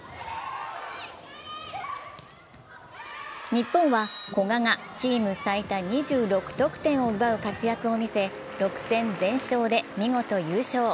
日本は古賀がチーム最多２６得点を奪う活躍を見せ６戦全勝で見事優勝。